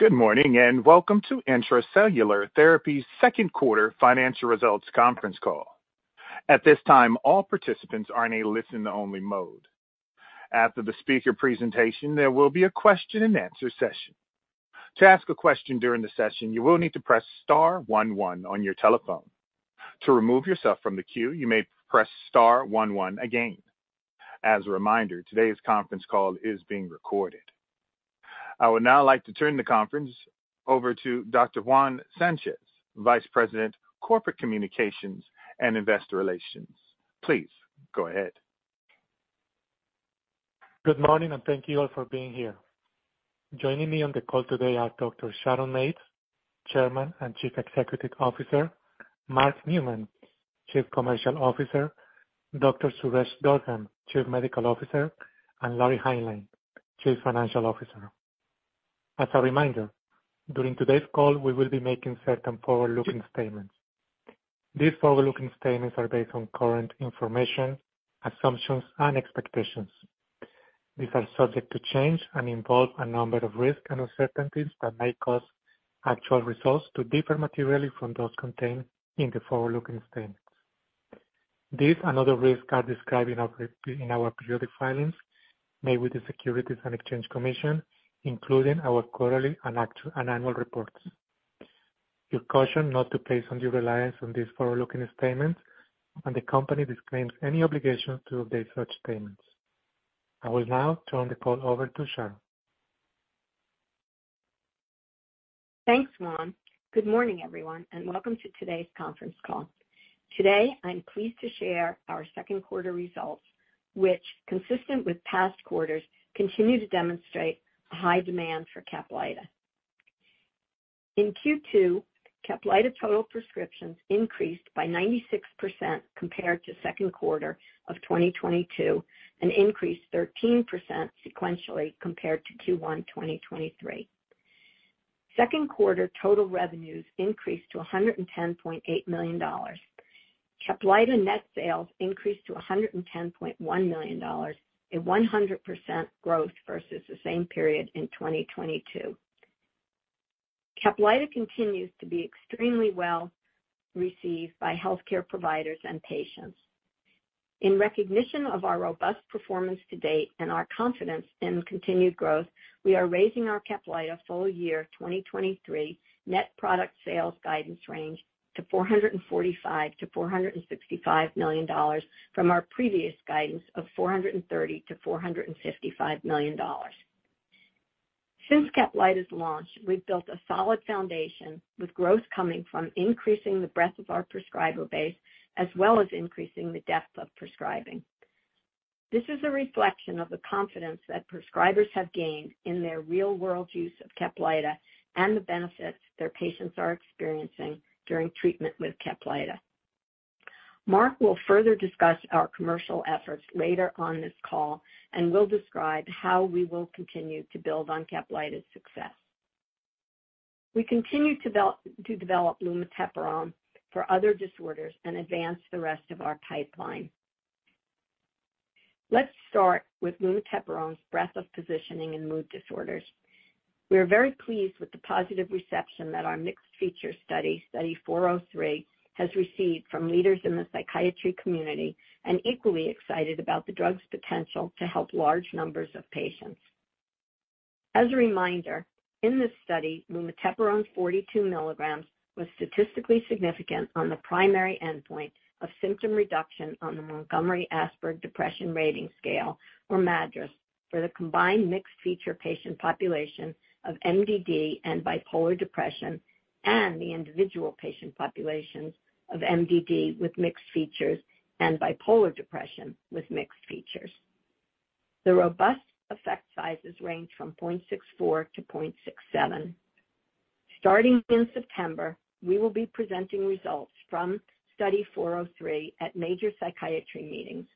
Good morning, and welcome to Intra-Cellular Therapies' Second Quarter Financial Results Conference Call. At this time, all participants are in a listen-only mode. After the speaker presentation, there will be a question-and-answer session. To ask a question during the session, you will need to press star one, one on your telephone. To remove yourself from the queue, you may press star one, one again. As a reminder, today's conference call is being recorded. I would now like to turn the conference over to Dr. Juan Sanchez, Vice President, Corporate Communications and Investor Relations. Please go ahead. Good morning, and thank you all for being here. Joining me on the call today are Dr. Sharon Mates, Chairman and Chief Executive Officer; Mark Neumann, Chief Commercial Officer; Dr. Suresh Durgam, Chief Medical Officer; and Larry Hineline, Chief Financial Officer. As a reminder, during today's call, we will be making certain forward-looking statements. These forward-looking statements are based on current information, assumptions, and expectations. These are subject to change and involve a number of risks and uncertainties that may cause actual results to differ materially from those contained in the forward-looking statements. These and other risks are described in our periodic filings made with the Securities and Exchange Commission, including our quarterly and annual reports. You're cautioned not to place undue reliance on these forward-looking statements, and the company disclaims any obligation to update such statements. I will now turn the call over to Sharon. Thanks, Juan. Good morning, everyone, and welcome to today's conference call. Today, I'm pleased to share our second quarter results, which, consistent with past quarters, continue to demonstrate a high demand for CAPLYTA. In Q2, CAPLYTA total prescriptions increased by 96% compared to second quarter of 2022, and increased 13% sequentially compared to Q1 2023. Second quarter total revenues increased to $110.8 million. CAPLYTA net sales increased to $110.1 million, a 100% growth versus the same period in 2022. CAPLYTA continues to be extremely well-received by healthcare providers and patients. In recognition of our robust performance to date and our confidence in continued growth, we are raising our CAPLYTA full year 2023 net product sales guidance range to $445 million-$465 million from our previous guidance of $430 million-$455 million. Since CAPLYTA's launch, we've built a solid foundation, with growth coming from increasing the breadth of our prescriber base, as well as increasing the depth of prescribing. This is a reflection of the confidence that prescribers have gained in their real-world use of CAPLYTA and the benefits their patients are experiencing during treatment with CAPLYTA. Mark will further discuss our commercial efforts later on this call and will describe how we will continue to build on CAPLYTA's success. We continue to develop lumateperone for other disorders and advance the rest of our pipeline. Let's start with lumateperone's breadth of positioning in mood disorders. We are very pleased with the positive reception that our mixed feature study, Study 403, has received from leaders in the psychiatry community and equally excited about the drug's potential to help large numbers of patients. As a reminder, in this study, lumateperone 42 milligrams was statistically significant on the primary endpoint of symptom reduction on the Montgomery-Åsberg Depression Rating Scale, or MADRS, for the combined mixed feature patient population of MDD and bipolar depression and the individual patient populations of MDD with mixed features and bipolar depression with mixed features. The robust effect sizes range from 0.64-0.67. Starting in September, we will be presenting results from Study 403 at major psychiatry meetings.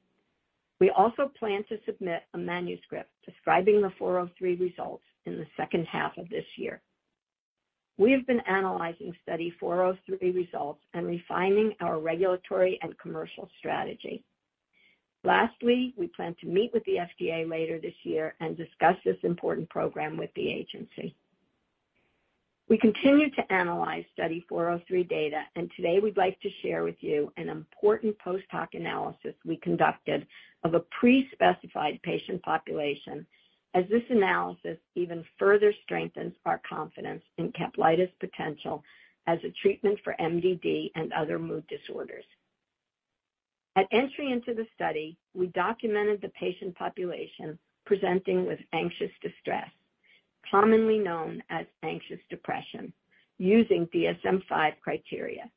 We also plan to submit a manuscript describing the 403 results in the second half of this year. We have been analyzing Study 403 results and refining our regulatory and commercial strategy. Lastly, we plan to meet with the FDA later this year and discuss this important program with the agency. Today we'd like to share with you an important post-hoc analysis we conducted of a pre-specified patient population, as this analysis even further strengthens our confidence in CAPLYTA's potential as a treatment for MDD and other mood disorders. At entry into the study, we documented the patient population presenting with anxious distress, commonly known as anxious depression, using DSM-V criteria.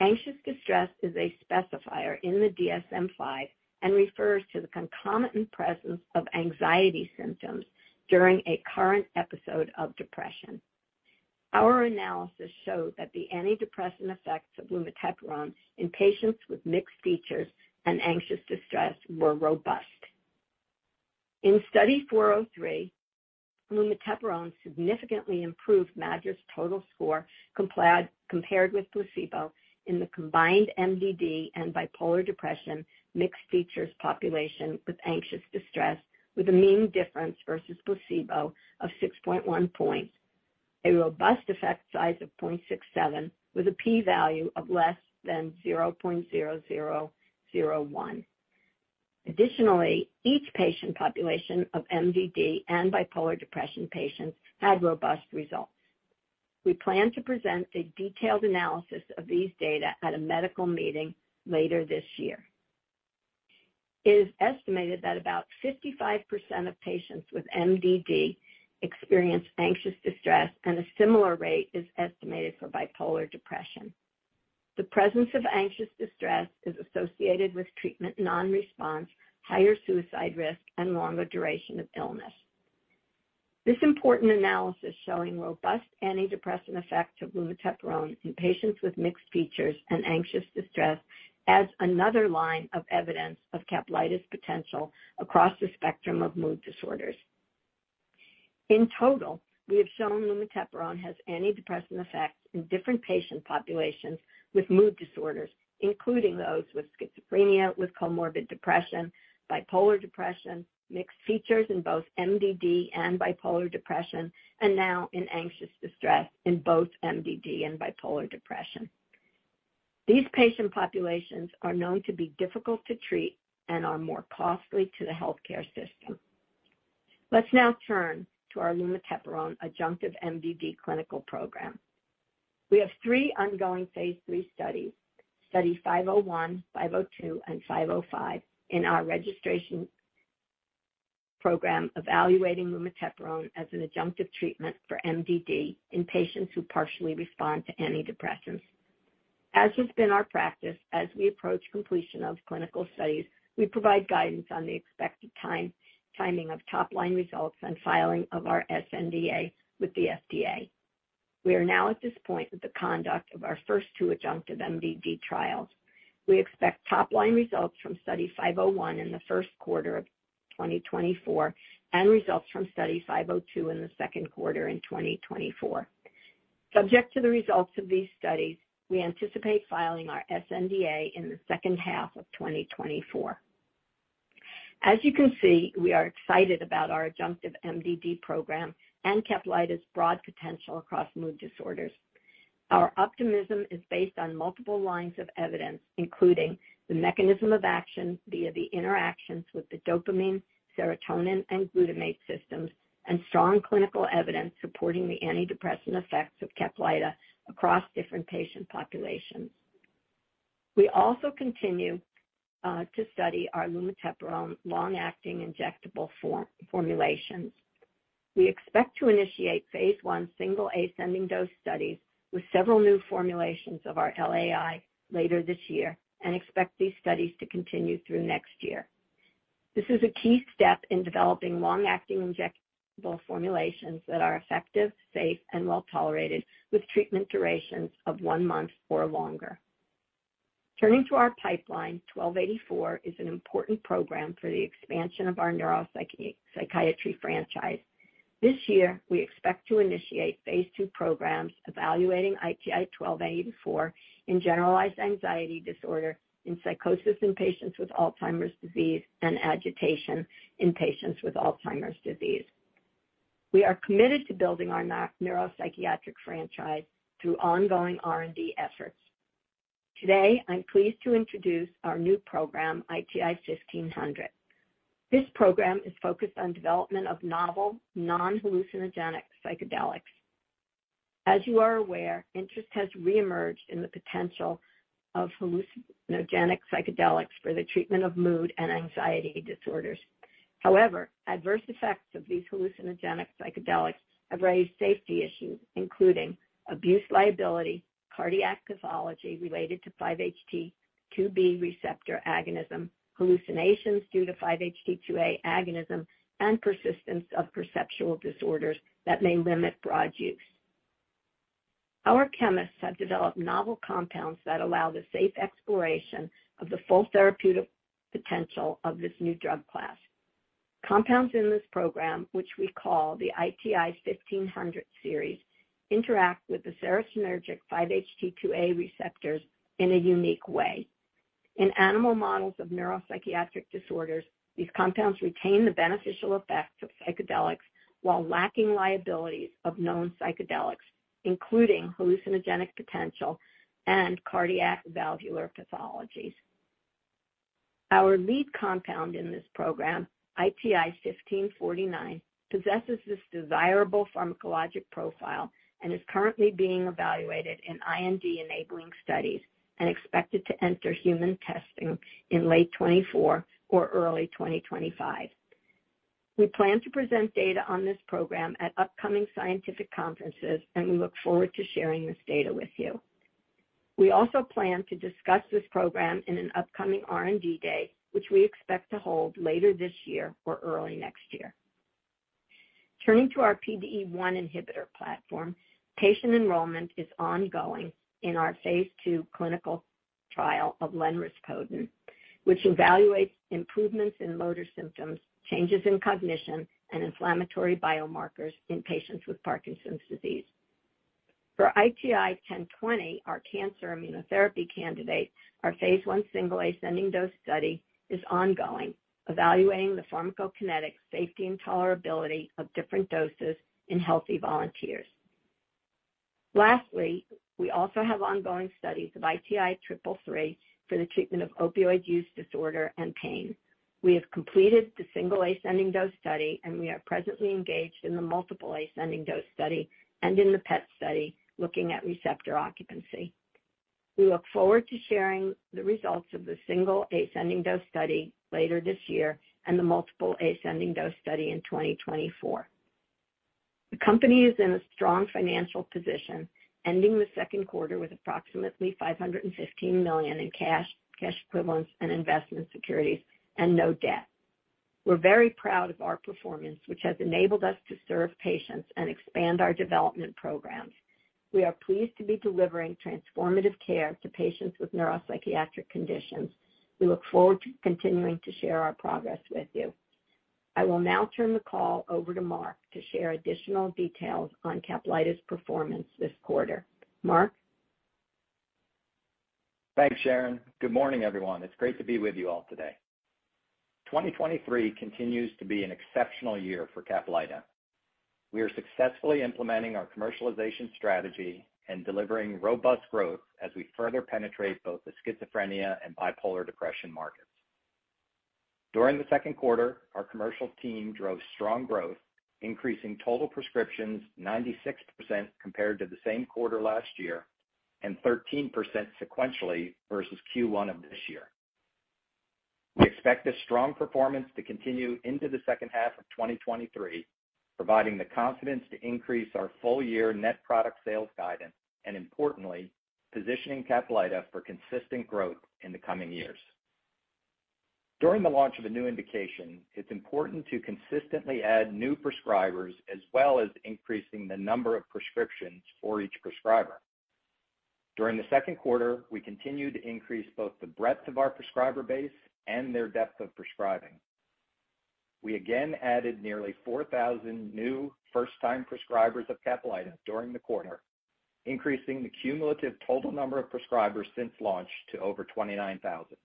Anxious distress is a specifier in the DSM-V and refers to the concomitant presence of anxiety symptoms during a current episode of depression. Our analysis showed that the antidepressant effects of lumateperone in patients with mixed features and anxious distress were robust. In Study 403, lumateperone significantly improved MADRS total score compared with placebo in the combined MDD and bipolar depression mixed features population with anxious distress, with a mean difference versus placebo of 6.1 points, a robust effect size of 0.67, with a p-value of less than 0.0001. Additionally, each patient population of MDD and bipolar depression patients had robust results. We plan to present the detailed analysis of these data at a medical meeting later this year. It is estimated that about 55% of patients with MDD experience anxious distress, and a similar rate is estimated for bipolar depression. The presence of anxious distress is associated with treatment non-response, higher suicide risk, and longer duration of illness. This important analysis, showing robust antidepressant effect of lumateperone in patients with mixed features and anxious distress, adds another line of evidence of CAPLYTA's potential across the spectrum of mood disorders. In total, we have shown lumateperone has antidepressant effects in different patient populations with mood disorders, including those with schizophrenia, with comorbid depression, bipolar depression, mixed features in both MDD and bipolar depression, and now in anxious distress in both MDD and bipolar depression. These patient populations are known to be difficult to treat and are more costly to the healthcare system. Let's now turn to our lumateperone adjunctive MDD clinical program. We have three ongoing phase III studies, Study 501, 502, and 505, in our registration program evaluating lumateperone as an adjunctive treatment for MDD in patients who partially respond to antidepressants. As has been our practice, as we approach completion of clinical studies, we provide guidance on the expected timing of top-line results and filing of our sNDA with the FDA. We are now at this point with the conduct of our first two adjunctive MDD trials. We expect top-line results from Study 501 in the first quarter of 2024, and results from Study 502 in the second quarter in 2024. Subject to the results of these studies, we anticipate filing our sNDA in the second half of 2024. As you can see, we are excited about our adjunctive MDD program and CAPLYTA's broad potential across mood disorders. Our optimism is based on multiple lines of evidence, including the mechanism of action via the interactions with the dopamine, serotonin, and glutamate systems, and strong clinical evidence supporting the antidepressant effects of CAPLYTA across different patient populations. We also continue to study our lumateperone long-acting injectable formulations. We expect to initiate phase I single ascending dose studies with several new formulations of our LAI later this year and expect these studies to continue through next year. This is a key step in developing long-acting injectable formulations that are effective, safe, and well-tolerated, with treatment durations of one month or longer. Turning to our pipeline, 1284 is an important program for the expansion of our neuropsychiatry franchise. This year, we expect to initiate phase II programs evaluating ITI-1284 in generalized anxiety disorder, in psychosis in patients with Alzheimer's disease, and agitation in patients with Alzheimer's disease. We are committed to building our neuropsychiatric franchise through ongoing R&D efforts. Today, I'm pleased to introduce our new program, ITI-1500. This program is focused on development of novel, non-hallucinogenic psychedelics. As you are aware, interest has reemerged in the potential of hallucinogenic psychedelics for the treatment of mood and anxiety disorders. Adverse effects of these hallucinogenic psychedelics have raised safety issues, including abuse liability, cardiac pathology related to 5-HT2B receptor agonism, hallucinations due to 5-HT2A agonism, and persistence of perceptual disorders that may limit broad use. Our chemists have developed novel compounds that allow the safe exploration of the full therapeutic potential of this new drug class. Compounds in this program, which we call the ITI-1500 series, interact with the serotonergic 5-HT2A receptors in a unique way. In animal models of neuropsychiatric disorders, these compounds retain the beneficial effects of psychedelics while lacking liabilities of known psychedelics, including hallucinogenic potential and cardiac valvular pathologies. Our lead compound in this program, ITI-1549, possesses this desirable pharmacologic profile and is currently being evaluated in IND-enabling studies and expected to enter human testing in late 2024 or early 2025. We plan to present data on this program at upcoming scientific conferences, and we look forward to sharing this data with you. We also plan to discuss this program in an upcoming R&D Day, which we expect to hold later this year or early next year. Turning to our PDE1 inhibitor platform, patient enrollment is ongoing in our phase II clinical trial of lenrispodun, which evaluates improvements in motor symptoms, changes in cognition, and inflammatory biomarkers in patients with Parkinson's disease. For ITI-1020, our cancer immunotherapy candidate, our phase I single ascending dose study is ongoing, evaluating the pharmacokinetic safety and tolerability of different doses in healthy volunteers. Lastly, we also have ongoing studies of ITI-333 for the treatment of opioid use disorder and pain. We have completed the single ascending dose study, and we are presently engaged in the multiple ascending dose study and in the PET study looking at receptor occupancy. We look forward to sharing the results of the single ascending dose study later this year and the multiple ascending dose study in 2024. The company is in a strong financial position, ending the second quarter with approximately $515 million in cash, cash equivalents, and investment securities, and no debt. We're very proud of our performance, which has enabled us to serve patients and expand our development programs. We are pleased to be delivering transformative care to patients with neuropsychiatric conditions. We look forward to continuing to share our progress with you. I will now turn the call over to Mark to share additional details on CAPLYTA's performance this quarter. Mark? Thanks, Sharon. Good morning, everyone. It's great to be with you all today. 2023 continues to be an exceptional year for CAPLYTA. We are successfully implementing our commercialization strategy and delivering robust growth as we further penetrate both the schizophrenia and bipolar depression markets. During the second quarter, our commercial team drove strong growth, increasing total prescriptions 96% compared to the same quarter last year, and 13% sequentially versus Q1 of this year. We expect this strong performance to continue into the second half of 2023, providing the confidence to increase our full-year net product sales guidance and importantly, positioning CAPLYTA for consistent growth in the coming years. During the launch of a new indication, it's important to consistently add new prescribers as well as increasing the number of prescriptions for each prescriber. During the second quarter, we continued to increase both the breadth of our prescriber base and their depth of prescribing. We again added nearly 4,000 new first-time prescribers of CAPLYTA during the quarter, increasing the cumulative total number of prescribers since launch to over 29,000.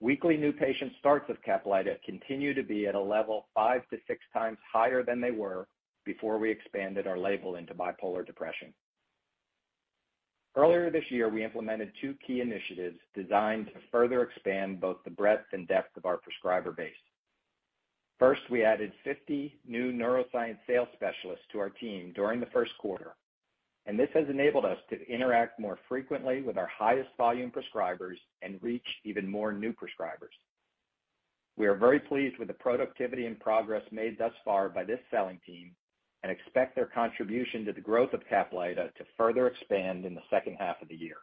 Weekly new patient starts of CAPLYTA continue to be at a level 5-6 times higher than they were before we expanded our label into bipolar depression. Earlier this year, we implemented two key initiatives designed to further expand both the breadth and depth of our prescriber base. First, we added 50 new Neuroscience Sales Specialists to our team during the first quarter. This has enabled us to interact more frequently with our highest volume prescribers and reach even more new prescribers. We are very pleased with the productivity and progress made thus far by this selling team and expect their contribution to the growth of CAPLYTA to further expand in the second half of the year.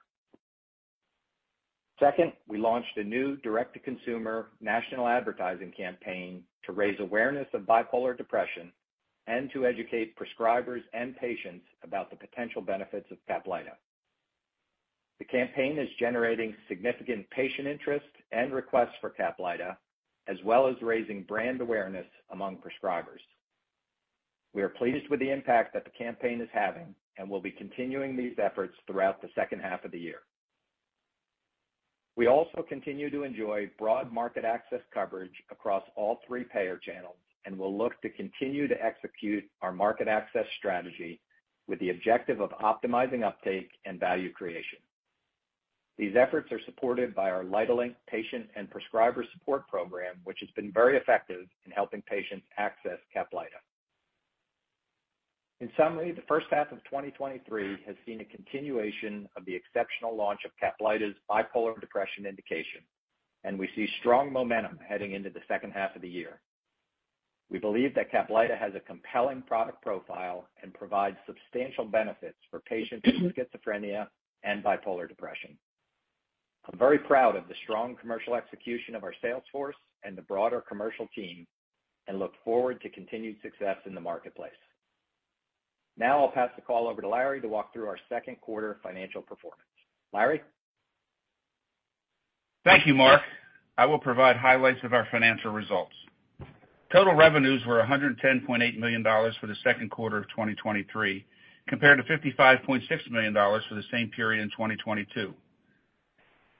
Second, we launched a new direct-to-consumer national advertising campaign to raise awareness of bipolar depression and to educate prescribers and patients about the potential benefits of CAPLYTA. The campaign is generating significant patient interest and requests for CAPLYTA, as well as raising brand awareness among prescribers. We are pleased with the impact that the campaign is having and will be continuing these efforts throughout the second half of the year. We also continue to enjoy broad market access coverage across all three payer channels and will look to continue to execute our market access strategy with the objective of optimizing uptake and value creation. These efforts are supported by our LYTAlink patient and prescriber support program, which has been very effective in helping patients access CAPLYTA. In summary, the first half of 2023 has seen a continuation of the exceptional launch of CAPLYTA's bipolar depression indication, and we see strong momentum heading into the second half of the year. We believe that CAPLYTA has a compelling product profile and provides substantial benefits for patients with schizophrenia and bipolar depression. I'm very proud of the strong commercial execution of our sales force and the broader commercial team, and look forward to continued success in the marketplace. Now I'll pass the call over to Larry to walk through our second quarter financial performance. Larry? Thank you, Mark. I will provide highlights of our financial results. Total revenues were $110.8 million for the second quarter of 2023, compared to $55.6 million for the same period in 2022.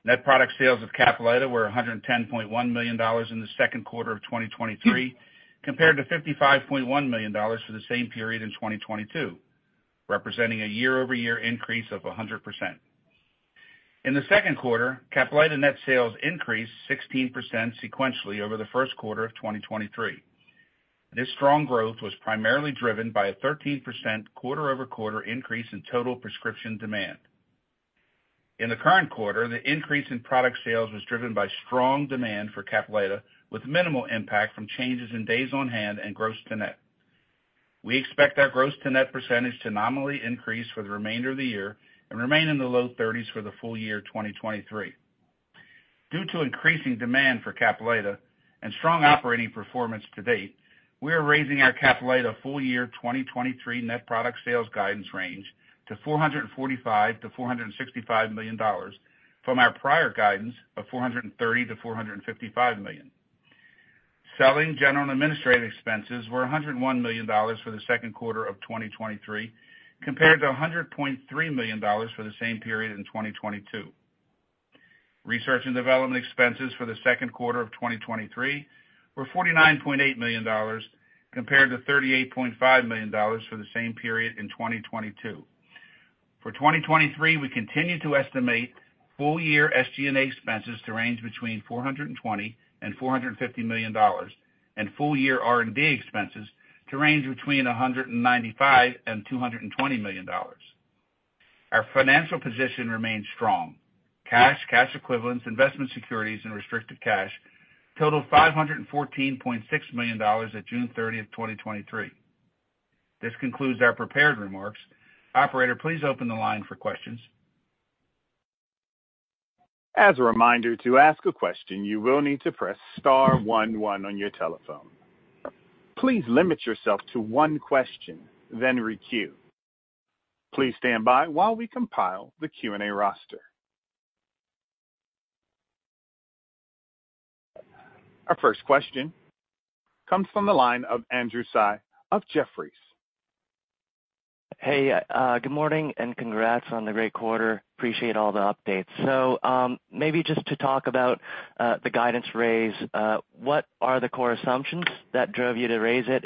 Net product sales of CAPLYTA were $110.1 million in the second quarter of 2023, compared to $55.1 million for the same period in 2022, representing a year-over-year increase of 100%. In the second quarter, CAPLYTA net sales increased 16% sequentially over the first quarter of 2023. This strong growth was primarily driven by a 13% quarter-over-quarter increase in total prescription demand. In the current quarter, the increase in product sales was driven by strong demand for CAPLYTA, with minimal impact from changes in days on hand and gross-to-net. We expect our gross-to-net % to nominally increase for the remainder of the year and remain in the low thirties for the full year 2023. Due to increasing demand for CAPLYTA and strong operating performance to date, we are raising our CAPLYTA full-year 2023 net product sales guidance range to $445 million-$465 million from our prior guidance of $430 million-$455 million. selling general and administrative expenses were $101 million for the second quarter of 2023, compared to $100.3 million for the same period in 2022. Research and development expenses for the second quarter of 2023 were $49.8 million, compared to $38.5 million for the same period in 2022. For 2023, we continue to estimate full-year SG&A expenses to range between $420 million and $450 million, and full-year R&D expenses to range between $195 million and $220 million. Our financial position remains strong. Cash, cash equivalents, investment securities, and restricted cash totaled $514.6 million at June 30th, 2023. This concludes our prepared remarks. Operator, please open the line for questions. As a reminder, to ask a question, you will need to press star one one on your telephone. Please limit yourself to one question, then re-queue. Please stand by while we compile the Q&A roster. Our first question comes from the line of Andrew Tsai of Jefferies. Hey, good morning, congrats on the great quarter. Appreciate all the updates. Maybe just to talk about the guidance raise, what are the core assumptions that drove you to raise it?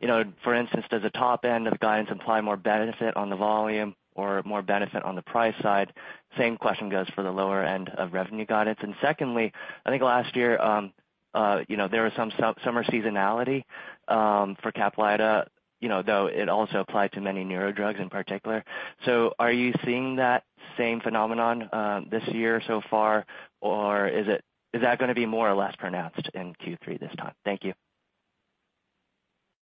You know, for instance, does the top end of the guidance imply more benefit on the volume or more benefit on the price side? Same question goes for the lower end of revenue guidance. Secondly, I think last year, you know, there was some summer seasonality for CAPLYTA, you know, though it also applied to many neurodrug in particular. Are you seeing that same phenomenon this year so far, or is that gonna be more or less pronounced in Q3 this time? Thank you.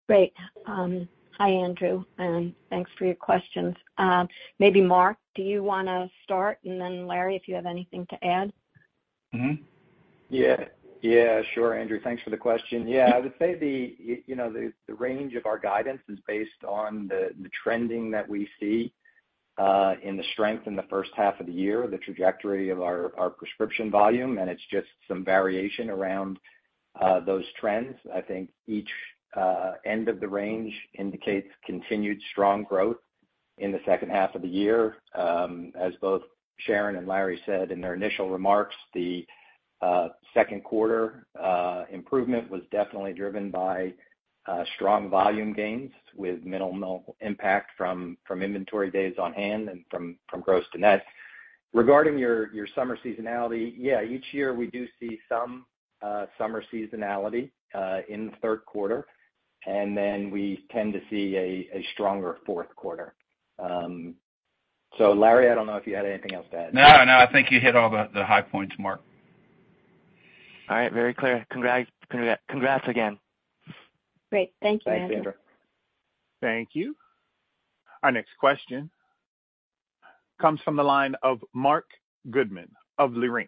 Great. Hi, Andrew, and thanks for your questions. Maybe, Mark, do you wanna start? Larry, if you have anything to add. Yeah, sure, Andrew. Thanks for the question. I would say the, you know, the, the range of our guidance is based on the, the trending that we see, in the strength in the first half of the year, the trajectory of our, our prescription volume, and it's just some variation around those trends. I think each end of the range indicates continued strong growth in the second half of the year. As both Sharon and Larry said in their initial remarks, the second quarter improvement was definitely driven by strong volume gains with minimal impact from, from inventory days on hand and from, from gross-to-net. Regarding your, your summer seasonality, yeah, each year we do see some summer seasonality in the third quarter, we tend to see a stronger fourth quarter. Larry, I don't know if you had anything else to add. No, no, I think you hit all the, the high points, Mark. All right, very clear. Congrats, congrats again. Great. Thank you, Andrew. Thanks, Andrew. Thank you. Our next question comes from the line of Marc Goodman of Leerink.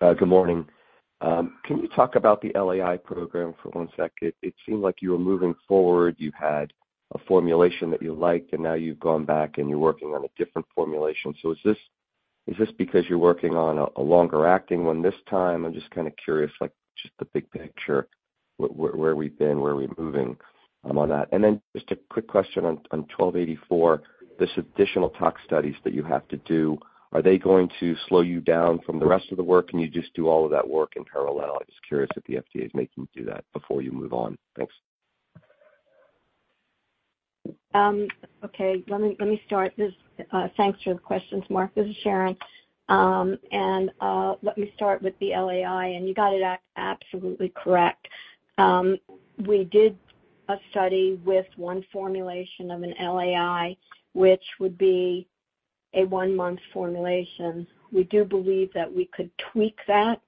Good morning. Can you talk about the LAI program for one sec? It seemed like you were moving forward, you had a formulation that you liked, and now you've gone back, and you're working on a different formulation. Is this, is this because you're working on a, a longer-acting one this time? I'm just kind of curious, just the big picture, where we've been, where we're moving on that. Just a quick question on, on ITI-1284, this additional tox studies that you have to do, are they going to slow you down from the rest of the work, can you just do all of that work in parallel? I'm just curious if the FDA is making you do that before you move on. Thanks. Okay, let me, let me start this. Thanks for the questions, Marc. This is Sharon. Let me start with the LAI, and you got it absolutely correct. We did a study with one formulation of an LAI, which would be a 1-month formulation. We do believe that we could tweak that.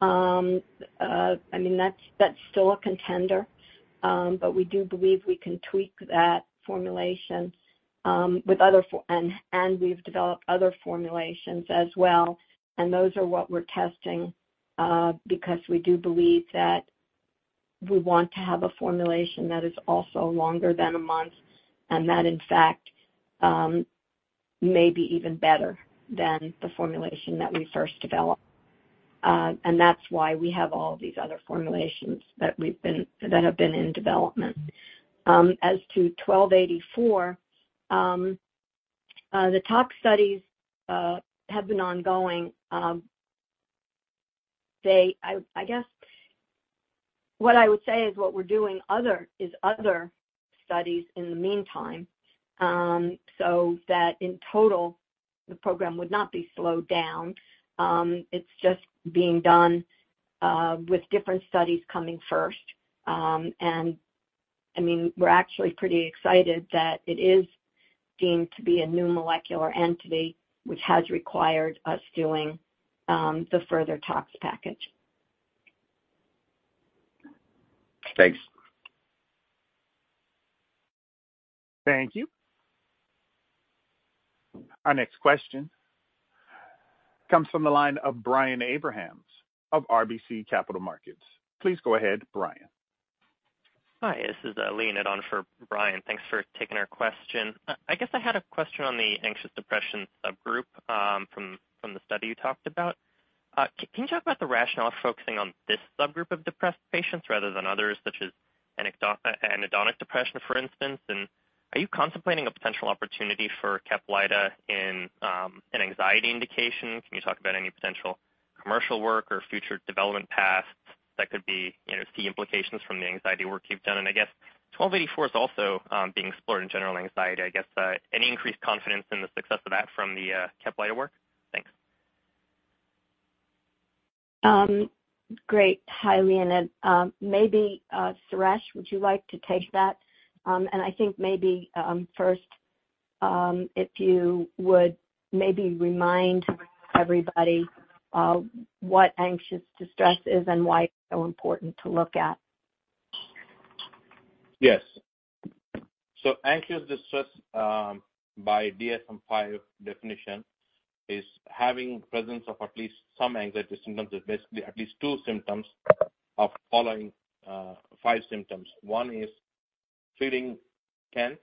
I mean, that's, that's still a contender, but we do believe we can tweak that formulation, with other and, and we've developed other formulations as well, and those are what we're testing, because we do believe that we want to have a formulation that is also longer than a month, and that in fact, may be even better than the formulation that we first developed. That's why we have all these other formulations that we've that have been in development. As to ITI-1284, the tox studies have been ongoing. What we're doing is other studies in the meantime, so that in total, the program would not be slowed down. It's just being done with different studies coming first. I mean, we're actually pretty excited that it is deemed to be a new molecular entity, which has required us doing the further tox package. Thanks. Thank you. Our next question comes from the line of Brian Abrahams of RBC Capital Markets. Please go ahead, Brian. Hi, this is Leonard on for Brian. Thanks for taking our question. I guess I had a question on the anxious depression subgroup from the study you talked about. Can you talk about the rationale for focusing on this subgroup of depressed patients rather than others, such as anhedonia depression, for instance? Are you contemplating a potential opportunity for CAPLYTA in an anxiety indication? Can you talk about any potential commercial work or future development paths that could be, you know, see implications from the anxiety work you've done? I guess 1284 is also being explored in general anxiety. I guess any increased confidence in the success of that from the CAPLYTA work? Thanks. Great. Hi, Leonard. Maybe, Suresh, would you like to take that? I think maybe, first, if you would maybe remind everybody, what anxious distress is and why it's so important to look at? Yes. Anxious distress, by DSM-V definition, is having presence of at least some anxiety symptoms, is basically at least two symptoms of following, five symptoms. One is feeling tense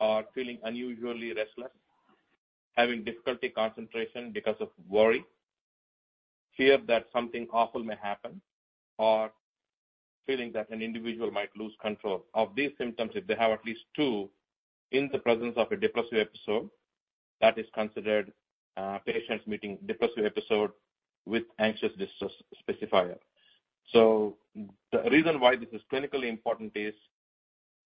or feeling unusually restless, having difficulty concentration because of worry, fear that something awful may happen, or feeling that an individual might lose control. Of these symptoms, if they have at least two in the presence of a depressive episode, that is considered, patients meeting depressive episode with anxious distress specifier. The reason why this is clinically important is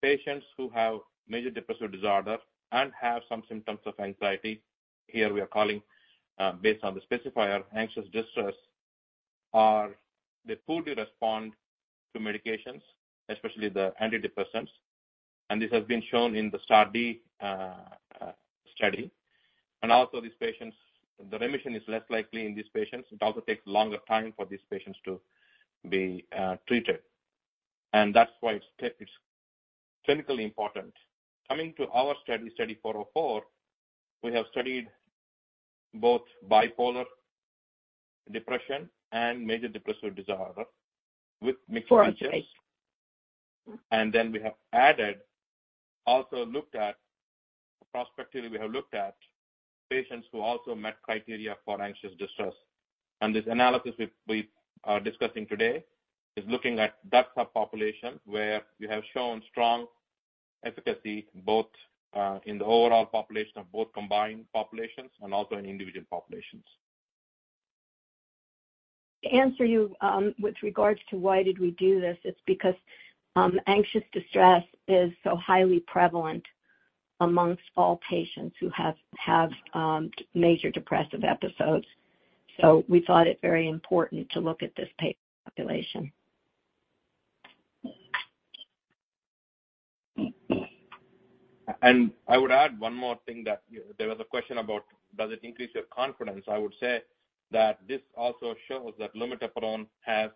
patients who have major depressive disorder and have some symptoms of anxiety, here we are calling, based on the specifier, anxious distress, are they poorly respond to medications, especially the antidepressants, this has been shown in the STAR*D study. Also, these patients, the remission is less likely in these patients. It also takes longer time for these patients to be treated, and that's why it's clinically important. Coming to our study, Study 404, we have studied both bipolar depression and major depressive disorder with mixed features. Then we have added, also looked at... Prospectively, we have looked at patients who also met criteria for anxious distress, and this analysis we, we are discussing today is looking at that subpopulation, where we have shown strong efficacy, both, in the overall population of both combined populations and also in individual populations. To answer you, with regards to why did we do this, it's because, anxious distress is so highly prevalent amongst all patients who have, have, major depressive episodes. We thought it very important to look at this patient population. I would add one more thing, that there was a question about, does it increase your confidence? I would say that this also shows that lumateperone has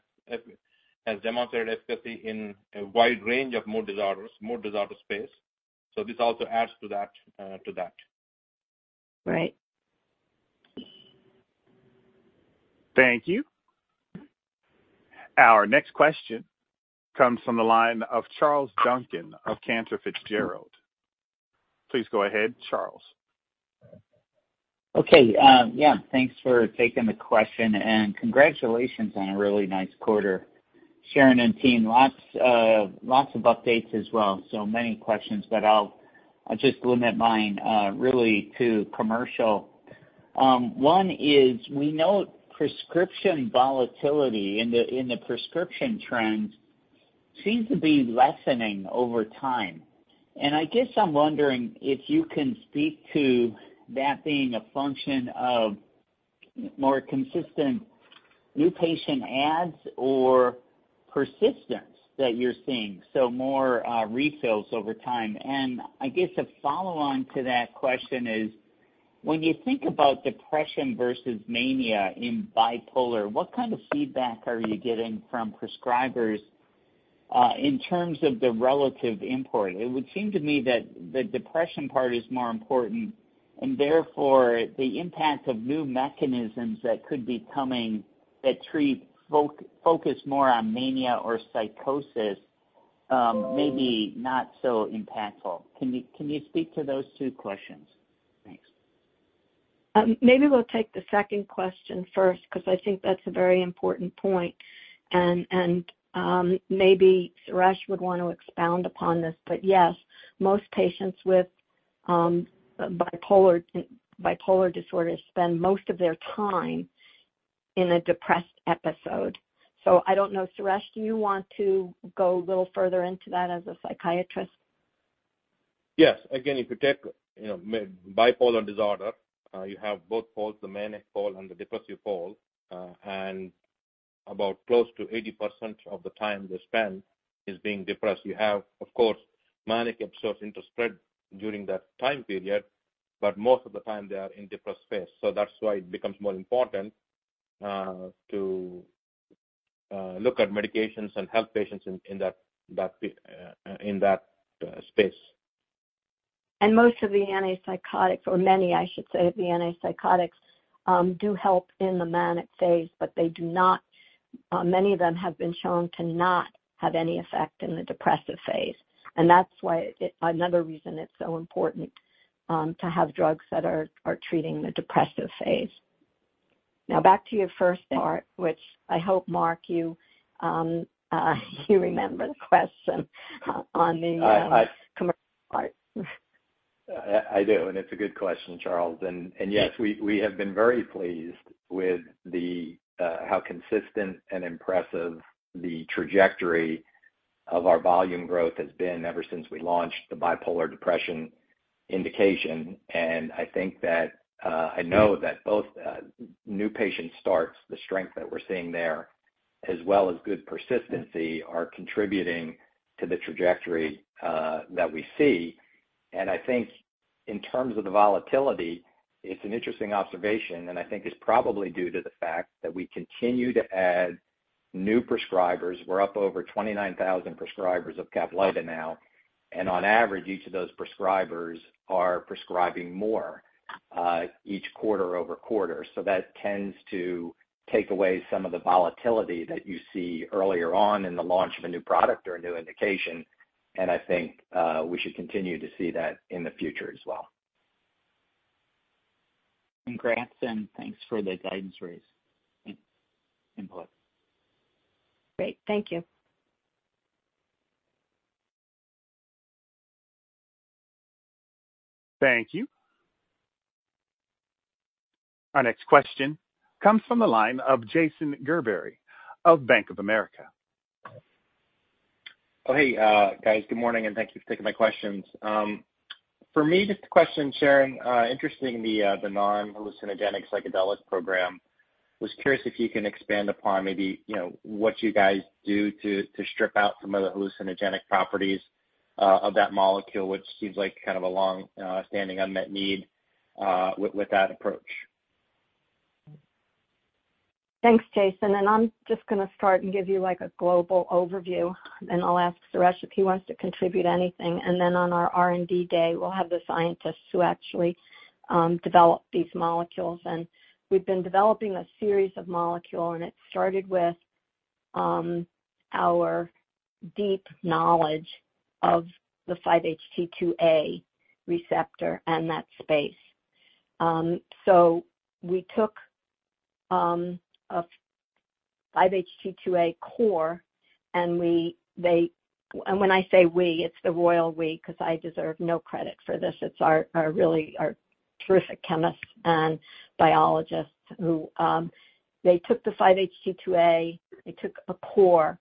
demonstrated efficacy in a wide range of mood disorders, mood disorder space. This also adds to that, to that. Right. Thank you. Our next question comes from the line of Charles Duncan of Cantor Fitzgerald. Please go ahead, Charles. Okay, yeah, thanks for taking the question, and congratulations on a really nice quarter. Sharon and team, lots of, lots of updates as well, so many questions, but I'll, I'll just limit mine really to commercial. One is we know prescription volatility in the, in the prescription trends seems to be lessening over time, and I guess I'm wondering if you can speak to that being a function of more consistent new patient adds or persistence that you're seeing, so more refills over time. I guess a follow-on to that question is: When you think about depression versus mania in bipolar, what kind of feedback are you getting from prescribers in terms of the relative import? It would seem to me that the depression part is more important, and therefore, the impact of new mechanisms that could be coming, that treat focus more on mania or psychosis, may be not so impactful. Can you, can you speak to those two questions? Thanks. Maybe we'll take the second question first, because I think that's a very important point. Maybe Suresh would want to expound upon this. Yes, most patients with, bipolar, bipolar disorder spend most of their time in a depressed episode. I don't know, Suresh, do you want to go a little further into that as a psychiatrist? Yes. Again, if you take, you know, bipolar disorder, you have both poles, the manic pole and the depressive pole, and about close to 80% of the time they spend is being depressed. You have, of course, manic episodes interspersed during that time period, but most of the time they are in depressed phase. That's why it becomes more important, to look at medications and help patients in, in that, that in that space. Most of the antipsychotics, or many, I should say, of the antipsychotics do help in the manic phase, but they do not, many of them have been shown to not have any effect in the depressive phase. That's why it, another reason it's so important to have drugs that are, are treating the depressive phase. Now, back to your first part, which I hope, Mark, you remember the question on the. I- Commercial part. I, I do, and it's a good question, Charles. Yes, we, we have been very pleased with the how consistent and impressive the trajectory of our volume growth has been ever since we launched the bipolar depression indication. I think that I know that both new patient starts, the strength that we're seeing there, as well as good persistency, are contributing to the trajectory that we see. I think in terms of the volatility, it's an interesting observation, and I think it's probably due to the fact that we continue to add new prescribers. We're up over 29,000 prescribers of CAPLYTA now, and on average, each of those prescribers are prescribing more each quarter-over-quarter. That tends to take away some of the volatility that you see earlier on in the launch of a new product or a new indication, and I think, we should continue to see that in the future as well. Congrats, thanks for the guidance raise and input. Great. Thank you. Thank you. Our next question comes from the line of Jason Gerberry of Bank of America. Oh, hey, guys. Good morning, and thank you for taking my questions. For me, just a question, Sharon. Interesting, the non-hallucinogenic psychedelics program. Was curious if you can expand upon maybe, you know, what you guys do to, to strip out some of the hallucinogenic properties of that molecule, which seems like kind of a long-standing unmet need with that approach. Thanks, Jason. I'm just gonna start and give you, like, a global overview, and I'll ask Suresh if he wants to contribute anything. Then on our R&D day, we'll have the scientists who actually develop these molecules. We've been developing a series of molecule, and it started with our deep knowledge of the 5-HT2A receptor and that space. So we took a 5-HT2A core, and we-- they... When I say we, it's the royal we, 'cause I deserve no credit for this. It's our, our really, our terrific chemists and biologists who, they took the 5-HT2A, they took a core,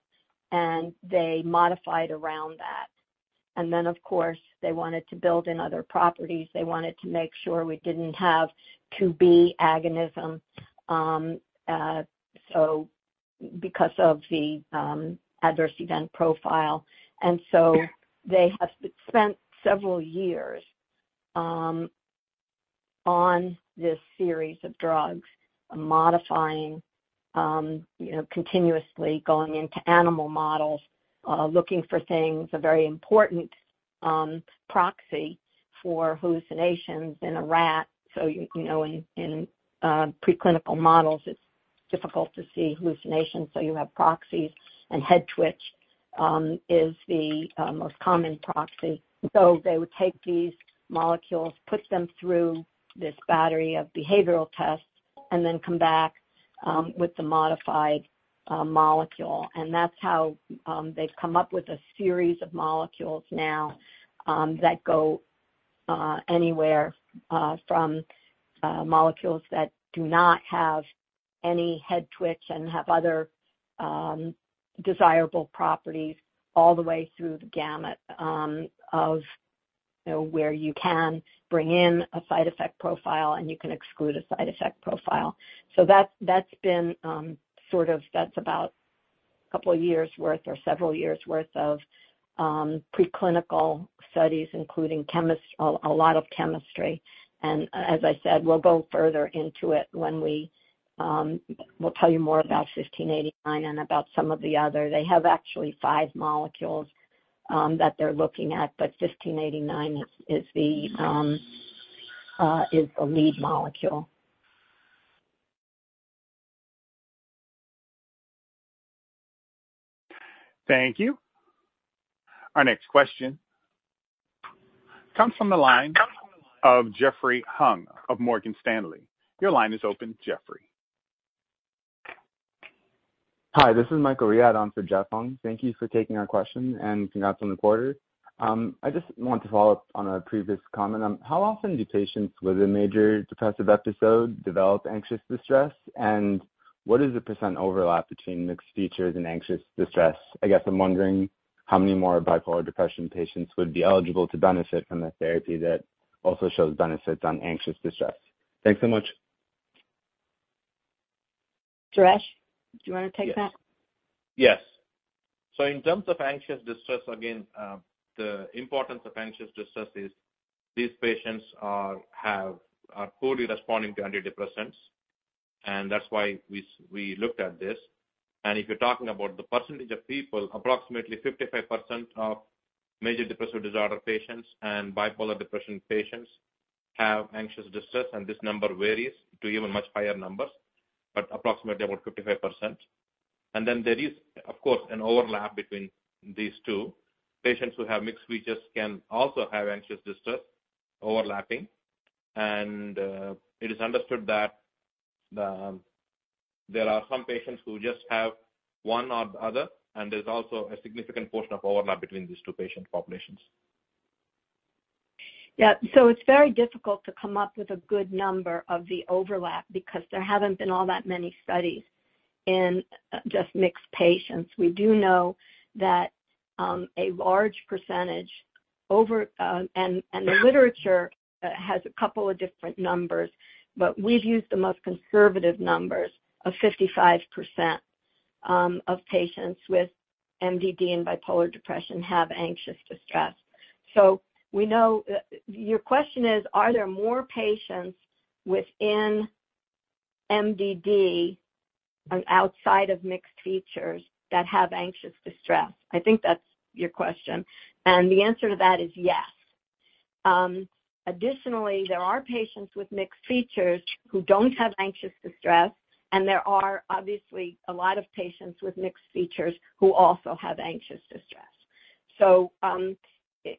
and they modified around that. Then, of course, they wanted to build in other properties. They wanted to make sure we didn't have 5-HT2B agonism, so because of the adverse event profile. They have spent several years on this series of drugs, modifying, you know, continuously going into animal models, looking for things, a very important proxy for hallucinations in a rat. You, you know, in, in preclinical models, it's difficult to see hallucinations, so you have proxies, and head-twitch response is the most common proxy. They would take these molecules, put them through this battery of behavioral tests, and then come back with the modified molecule. That's how they've come up with a series of molecules now that go anywhere from molecules that do not have any head-twitch response and have other desirable properties all the way through the gamut of, you know, where you can bring in a side effect profile, and you can exclude a side effect profile. That, that's been, sort of, about two years' worth or several years' worth of preclinical studies, including a lot of chemistry. As I said, we'll go further into it when we. We'll tell you more about 1549 and about some of the others. They have actually five molecules that they're looking at, but 1549 is, is the lead molecule. Thank you. Our next question comes from the line of Jeffrey Hung of Morgan Stanley. Your line is open, Jeffrey. Hi, this is Michael Riad on for Jeff Hung. Thank you for taking our question, and congrats on the quarter. I just want to follow up on a previous comment. How often do patients with a major depressive episode develop anxious distress? What is the % overlap between mixed features and anxious distress? I guess I'm wondering how many more bipolar depression patients would be eligible to benefit from a therapy that also shows benefits on anxious distress. Thanks so much. Suresh, do you want to take that? Yes. Yes. In terms of anxious distress, again, the importance of anxious distress is these patients are poorly responding to antidepressants. That's why we looked at this. If you're talking about the percentage of people, approximately 55% of major depressive disorder patients and bipolar depression patients have anxious distress, and this number varies to even much higher numbers, but approximately about 55%. Then there is, of course, an overlap between these two. Patients who have mixed features can also have anxious distress overlapping. It is understood that there are some patients who just have one or the other, and there's also a significant portion of overlap between these two patient populations. Yeah, it's very difficult to come up with a good number of the overlap because there haven't been all that many studies in just mixed patients. We do know that a large percentage over, and the literature has a couple of different numbers, but we've used the most conservative numbers of 55% of patients with MDD and bipolar depression have anxious distress. We know your question is, are there more patients within MDD and outside of mixed features that have anxious distress? I think that's your question, and the answer to that is yes. Additionally, there are patients with mixed features who don't have anxious distress, and there are obviously a lot of patients with mixed features who also have anxious distress.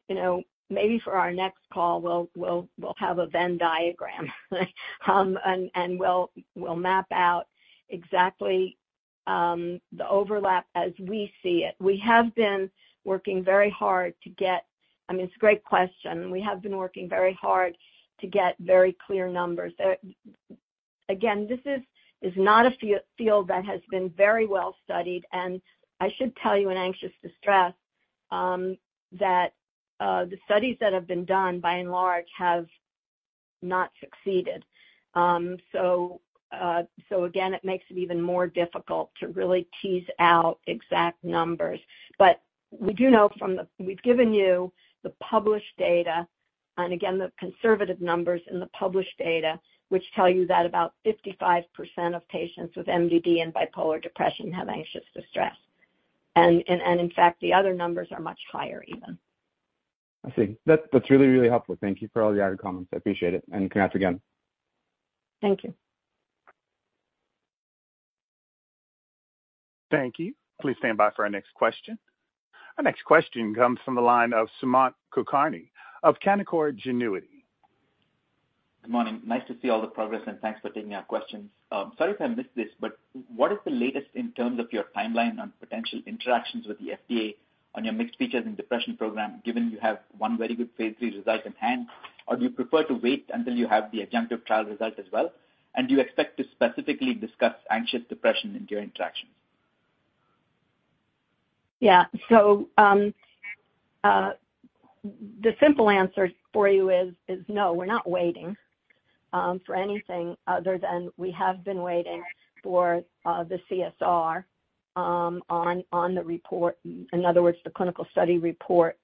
You know, maybe for our next call, we'll, we'll, we'll have a Venn diagram, and we'll, we'll map out exactly the overlap as we see it. We have been working very hard to get-- I mean, it's a great question, we have been working very hard to get very clear numbers. Again, this is, is not a field that has been very well studied, I should tell you, in anxious distress, that the studies that have been done, by and large, have not succeeded. Again, it makes it even more difficult to really tease out exact numbers. We do know from the-- we've given you the published data and again, the conservative numbers in the published data, which tell you that about 55% of patients with MDD and bipolar depression have anxious distress. In fact, the other numbers are much higher even. I see. That's, that's really, really helpful. Thank you for all the added comments. I appreciate it, and congrats again. Thank you. Thank you. Please stand by for our next question. Our next question comes from the line of Sumant Kulkarni of Canaccord Genuity. Good morning. Nice to see all the progress, and thanks for taking our questions. Sorry if I missed this, but what is the latest in terms of your timeline on potential interactions with the FDA on your mixed features and depression program, given you have one very good phase III result in hand? Do you prefer to wait until you have the adjunctive trial result as well? Do you expect to specifically discuss anxious depression in your interactions? Yeah. The simple answer for you is, is no, we're not waiting, for anything other than we have been waiting for, the CSR, on, on the report, in other words, the clinical study report,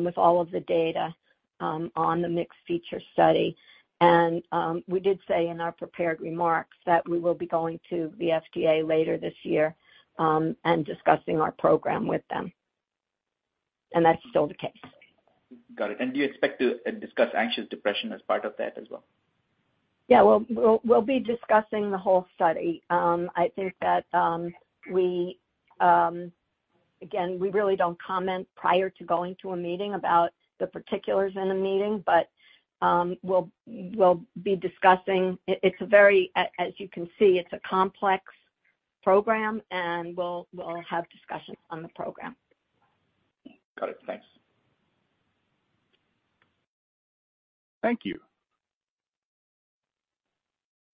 with all of the data, on the mixed feature study. We did say in our prepared remarks that we will be going to the FDA later this year, and discussing our program with them. That's still the case. Got it. Do you expect to discuss anxious depression as part of that as well? Yeah. We'll, we'll, we'll be discussing the whole study. I think that, again, we really don't comment prior to going to a meeting about the particulars in a meeting, but, we'll, we'll be discussing. It's a very, as you can see, it's a complex program, and we'll, we'll have discussions on the program. Got it. Thanks. Thank you.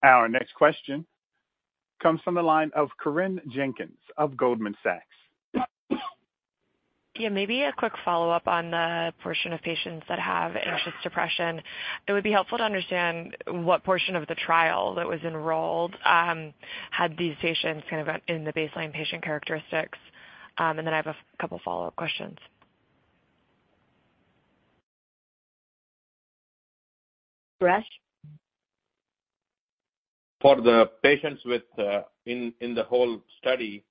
Our next question comes from the line of Corinne Jenkins of Goldman Sachs. Yeah, maybe a quick follow-up on the portion of patients that have anxious depression. It would be helpful to understand what portion of the trial that was enrolled had these patients kind of in the baseline patient characteristics. Then I have two follow-up questions. Suresh? For the patients with, in, in the whole study,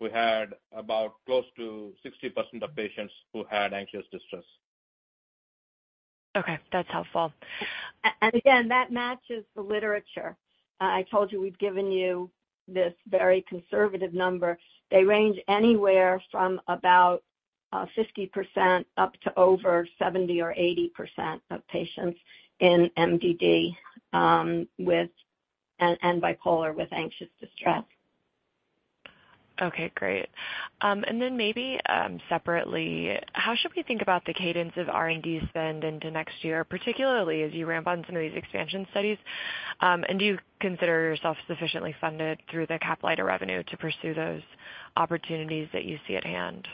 we had about close to 60% of patients who had anxious distress. Okay, that's helpful. Again, that matches the literature. I told you, we've given you this very conservative number. They range anywhere from about 50% up to over 70% or 80% of patients in MDD, with and, and bipolar with anxious distress. Okay, great. Then maybe, separately, how should we think about the cadence of R&D spend into next year, particularly as you ramp on some of these expansion studies? Do you consider yourself sufficiently funded through the CAPLYTA or revenue to pursue those opportunities that you see at hand?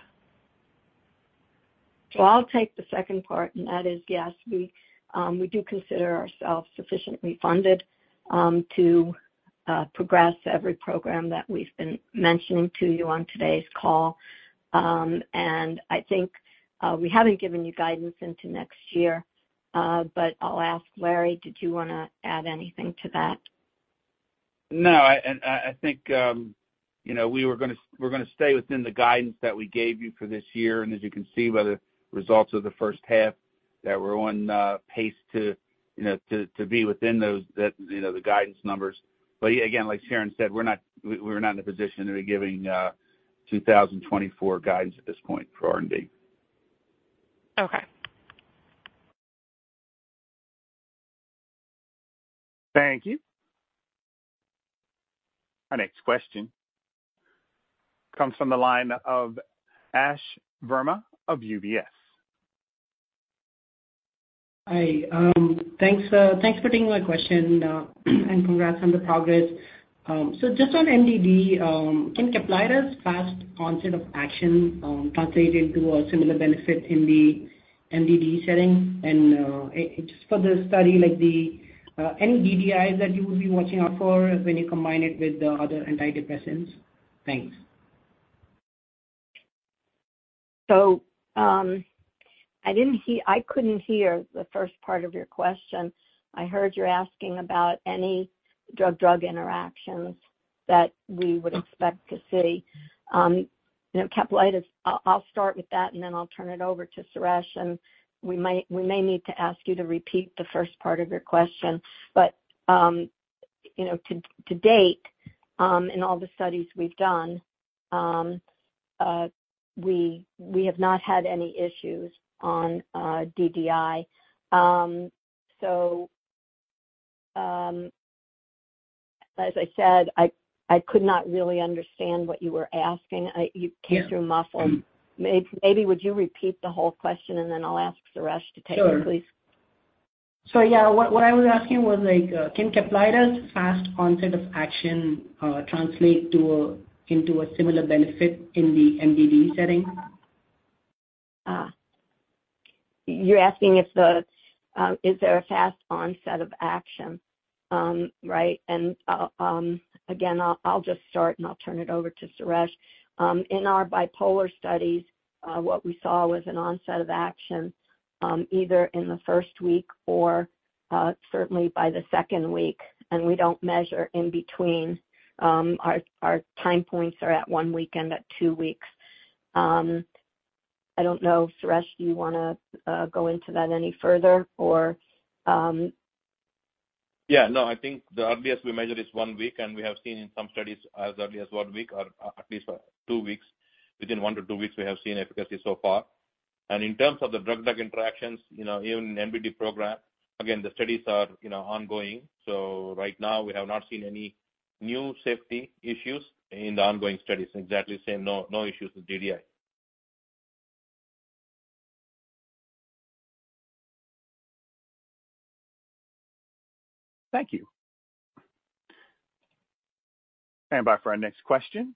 I'll take the second part, and that is, yes, we, we do consider ourselves sufficiently funded, to progress every program that we've been mentioning to you on today's call. I think, we haven't given you guidance into next year. I'll ask, Larry, did you wanna add anything to that? No, I think, you know, we were gonna-- we're gonna stay within the guidance that we gave you for this year. As you can see by the results of the first half, that we're on pace to, you know, to be within those, the guidance numbers. Again, like Sharon said, we're not, we're not in a position to be giving 2024 guidance at this point for R&D. Okay. Thank you. Our next question comes from the line of Ash Verma of UBS. Hi. Thanks, thanks for taking my question, and congrats on the progress. Just on MDD, can CAPLYTA's fast onset of action translate into a similar benefit in the MDD setting? Just for the study, like the, any DDIs that you would be watching out for when you combine it with the other antidepressants? Thanks. I didn't hear I couldn't hear the first part of your question. I heard you're asking about any drug-drug interactions that we would expect to see. You know, CAPLYTA's, I'll, I'll start with that, and then I'll turn it over to Suresh, and we might we may need to ask you to repeat the first part of your question. You know, to, to date, in all the studies we've done, we, we have not had any issues on DDI. As I said, I, I could not really understand what you were asking. I, you Yeah. - came through muffled. Maybe would you repeat the whole question, and then I'll ask Suresh to take it, please? Sure. Yeah, what I was asking was like, can CAPLYTA's fast onset of action translate into a similar benefit in the MDD setting? Ah. You're asking if the, is there a fast onset of action? Right, again, I'll, I'll just start, and I'll turn it over to Suresh. In our bipolar studies, what we saw was an onset of action, either in the first week or certainly by the second week, we don't measure in between. Our, our time points are at one week and at two weeks. I don't know, Suresh, do you wanna go into that any further or? Yeah, no, I think the earliest we measure is one week. We have seen in some studies as early as one week or at least two weeks. Within one to two weeks, we have seen efficacy so far. In terms of the drug-drug interactions, you know, even in MDD program, again, the studies are, you know, ongoing. Right now we have not seen any new safety issues in the ongoing studies. Exactly the same, no, no issues with DDI. Thank you. Stand by for our next question,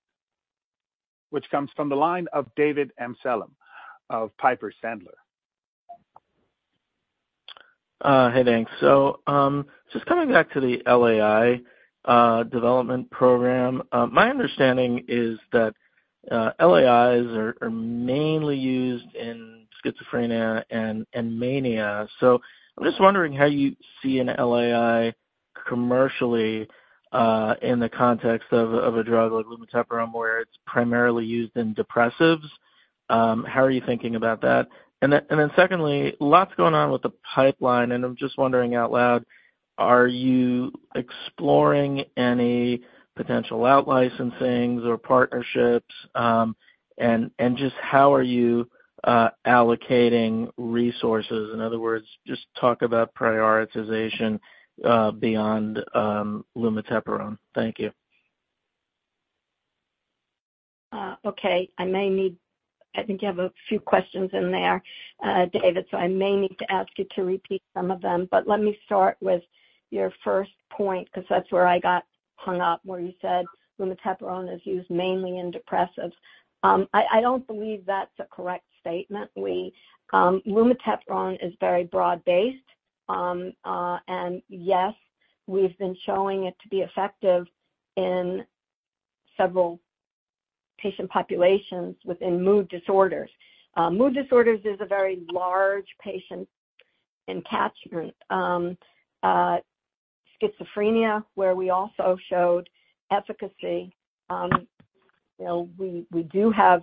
which comes from the line of David Amsellem of Piper Sandler. Hey, thanks. Just coming back to the LAI development program. My understanding is that LAIs are, are mainly used in schizophrenia and, and mania. I'm just wondering how you see an LAI commercially in the context of, of a drug like lumateperone, where it's primarily used in depressives. How are you thinking about that? Then secondly, lots going on with the pipeline, and I'm just wondering out loud, are you exploring any potential out-licensings or partnerships? Just how are you allocating resources? In other words, just talk about prioritization beyond lumateperone. Thank you. Okay, I may need... I think you have a few questions in there, David, so I may need to ask you to repeat some of them. Let me start with your first point, 'cause that's where I got hung up, where you said lumateperone is used mainly in depressives. I, I don't believe that's a correct statement. We, lumateperone is very broad-based. Yes, we've been showing it to be effective in several patient populations within mood disorders. Mood disorders is a very large patient encatchment. Schizophrenia, where we also showed efficacy, you know, we, we do have,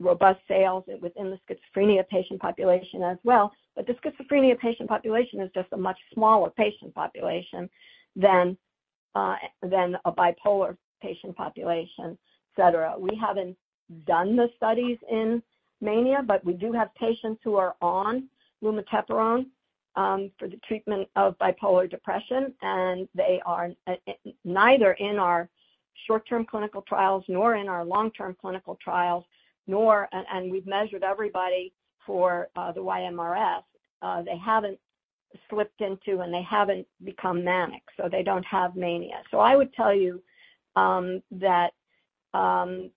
robust sales within the schizophrenia patient population as well. The schizophrenia patient population is just a much smaller patient population than a bipolar patient population, et cetera. We haven't done the studies in mania, we do have patients who are on lumateperone for the treatment of bipolar depression, they are neither in our short-term clinical trials nor in our long-term clinical trials, nor we've measured everybody for the YMRS. They haven't slipped into, and they haven't become manic, they don't have mania. I would tell you that as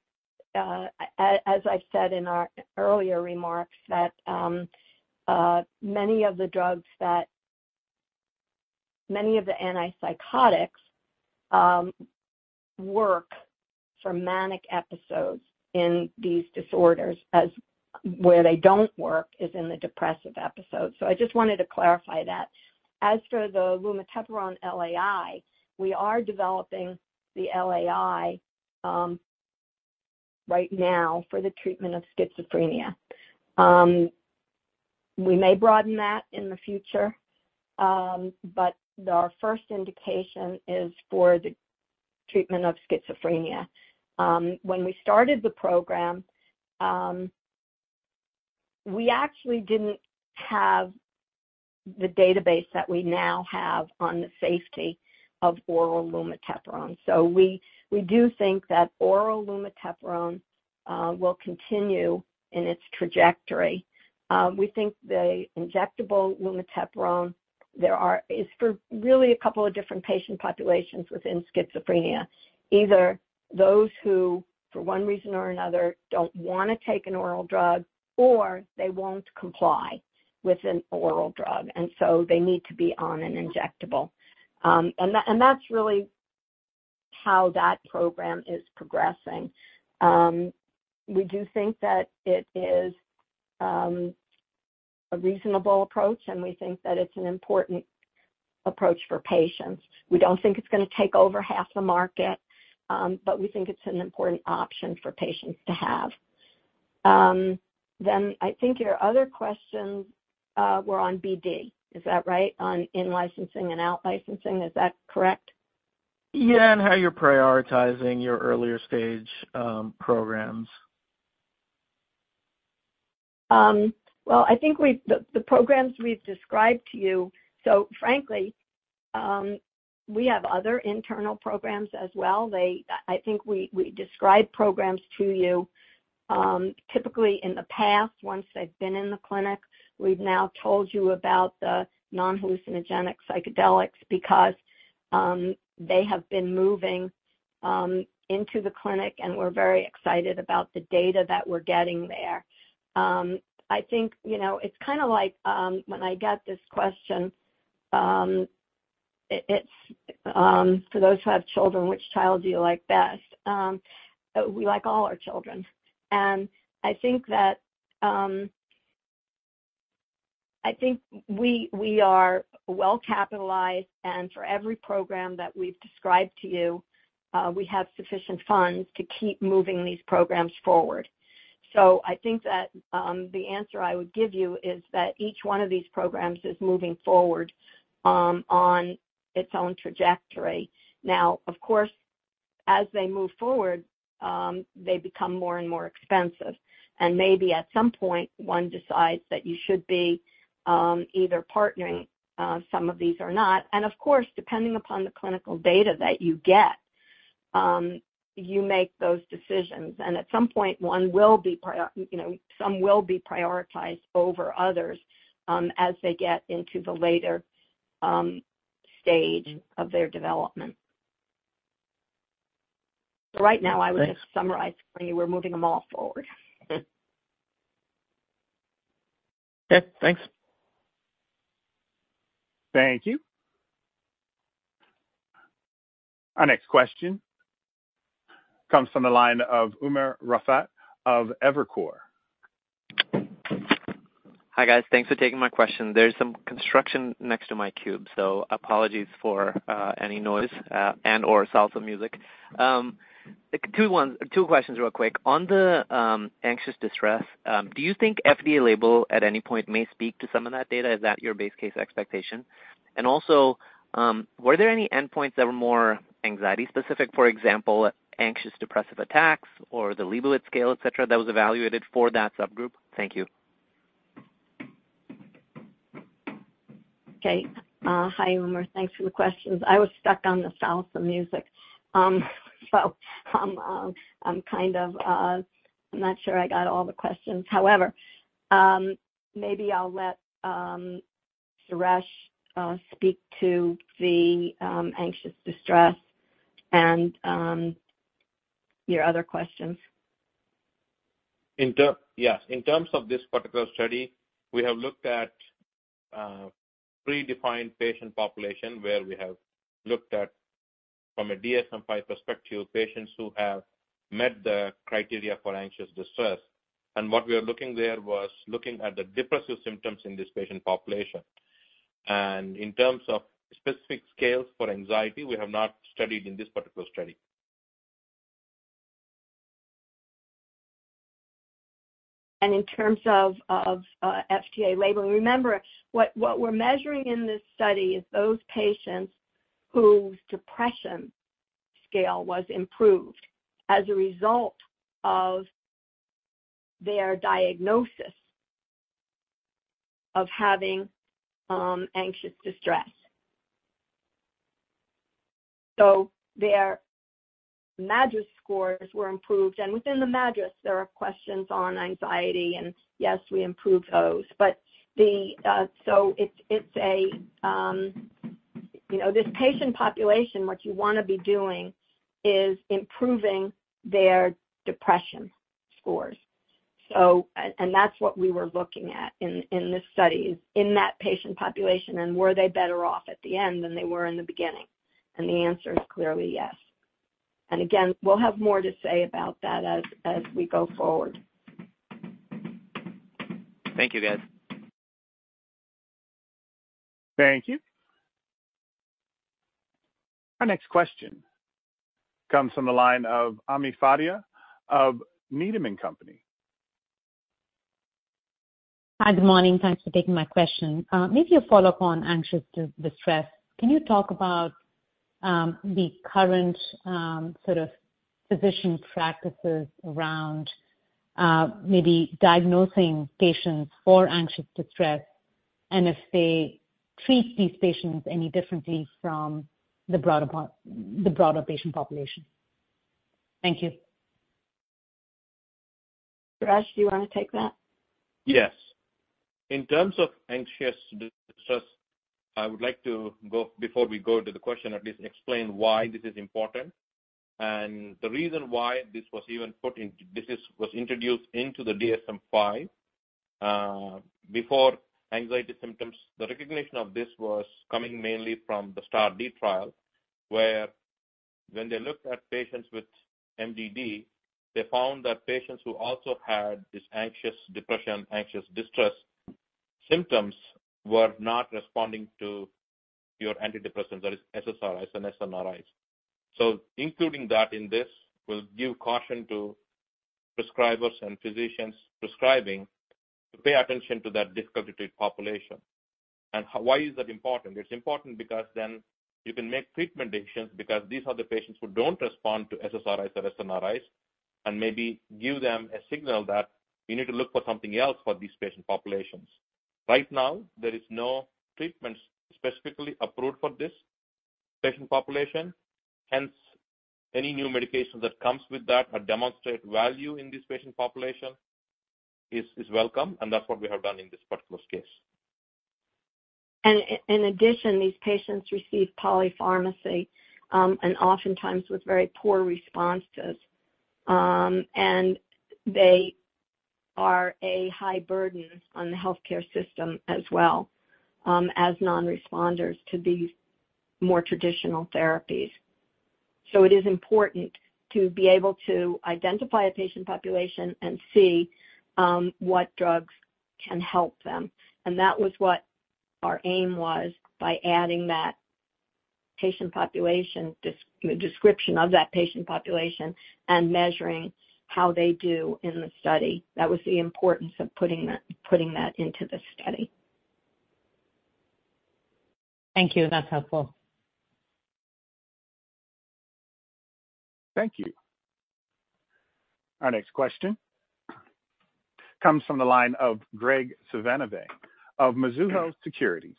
I've said in our earlier remarks, that many of the drugs many of the antipsychotics work for manic episodes in these disorders, as where they don't work is in the depressive episodes. I just wanted to clarify that. For the lumateperone LAI, we are developing the LAI right now for the treatment of schizophrenia. We may broaden that in the future, but our first indication is for the treatment of schizophrenia. When we started the program, we actually didn't have the database that we now have on the safety of oral lumateperone. We, we do think that oral lumateperone will continue in its trajectory. We think the injectable lumateperone is for really a couple of different patient populations within schizophrenia, either those who, for one reason or another, don't wanna take an oral drug, or they won't comply with an oral drug, and so they need to be on an injectable. That's really how that program is progressing. We do think that it is a reasonable approach, and we think that it's an important approach for patients. We don't think it's gonna take over half the market, but we think it's an important option for patients to have. I think your other questions were on BD. Is that right? On in-licensing and out-licensing. Is that correct? Yeah, how you're prioritizing your earlier stage, programs. Well, I think the programs we've described to you. Frankly, we have other internal programs as well. They, I think we describe programs to you, typically in the past, once they've been in the clinic. We've now told you about the non-hallucinogenic psychedelics because they have been moving into the clinic, and we're very excited about the data that we're getting there. I think, you know, it's kind of like, when I get this question, it's, for those who have children, which child do you like best? We like all our children. I think that, I think we are well capitalized, and for every program that we've described to you, we have sufficient funds to keep moving these programs forward. I think that the answer I would give you is that each one of these programs is moving forward on its own trajectory. Of course, as they move forward, they become more and more expensive, and maybe at some point, one decides that you should be either partnering some of these or not. Of course, depending upon the clinical data that you get, you make those decisions, and at some point, one will be, you know, some will be prioritized over others, as they get into the later stage of their development. Right now, I would just summarize for you, we're moving them all forward. Okay, thanks. Thank you. Our next question comes from the line of Umer Raffat of Evercore. Hi, guys. Thanks for taking my question. There's some construction next to my cube, so apologies for any noise and or salsa music. two ones, two questions real quick. On the anxious distress, do you think FDA label at any point may speak to some of that data? Is that your base case expectation? Also, were there any endpoints that were more anxiety specific, for example, anxious, depressive attacks or the Liebowitz scale, et cetera, that was evaluated for that subgroup? Thank you. Okay. hi, Umer. Thanks for the questions. I was stuck on the salsa music. I'm kind of, I'm not sure I got all the questions. However, maybe I'll let Suresh speak to the anxious distress and your other questions. Yes, in terms of this particular study, we have looked at, predefined patient population, where we have looked at, from a DSM-5 perspective, patients who have met the criteria for anxious distress. What we are looking there was looking at the depressive symptoms in this patient population. In terms of specific scales for anxiety, we have not studied in this particular study. In terms of, of FDA labeling, remember, what, what we're measuring in this study is those patients whose depression scale was improved as a result of their diagnosis of having anxious distress. Their MADRS scores were improved, and within the MADRS, there are questions on anxiety, and yes, we improved those. The, so it's, it's a, you know, this patient population, what you wanna be doing is improving their depression scores. And that's what we were looking at in, in this study, is in that patient population, and were they better off at the end than they were in the beginning? The answer is clearly yes. Again, we'll have more to say about that as, as we go forward. Thank you, guys. Thank you. Our next question comes from the line of Ami Fadia of Needham & Company. Hi, good morning. Thanks for taking my question. Maybe a follow-up on anxious distress. Can you talk about the current sort of physician practices around maybe diagnosing patients for anxious distress, and if they treat these patients any differently from the broader the broader patient population? Thank you. Suresh, do you want to take that? Yes. In terms of anxious distress, I would like to go, before we go to the question, at least explain why this is important. The reason why this was even put into, was introduced into the DSM-V before anxiety symptoms, the recognition of this was coming mainly from the STAR*D trial, where when they looked at patients with MDD, they found that patients who also had this anxious depression, anxious distress symptoms, were not responding to your antidepressants, that is SSRIs and SNRIs. Including that in this will give caution to prescribers and physicians prescribing to pay attention to that difficult population. Why is that important? It's important because then you can make treatment decisions because these are the patients who don't respond to SSRIs or SNRIs, and maybe give them a signal that we need to look for something else for these patient populations. Right now, there is no treatments specifically approved for this patient population. Hence, any new medication that comes with that or demonstrate value in this patient population is welcome, and that's what we have done in this particular case. In addition, these patients receive polypharmacy, and oftentimes with very poor responses. They are a high burden on the healthcare system as well, as non-responders to these more traditional therapies. It is important to be able to identify a patient population and see, what drugs can help them. That was what our aim was by adding that patient population description of that patient population and measuring how they do in the study. That was the importance of putting that, putting that into the study. Thank you. That's helpful. Thank you. Our next question comes from the line of Graig Suvannavejh of Mizuho Securities.